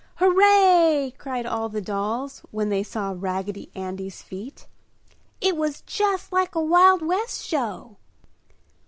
"Hooray!" cried all the dolls when they saw Raggedy Andy's feat. "It was just like a Wild West Show!"